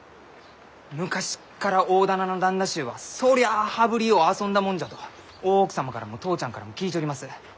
昔っから大店の旦那衆はそりゃあ羽振りよう遊んだもんじゃと大奥様からも父ちゃんからも聞いちょります。